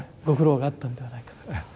ご苦労があったんではないかと。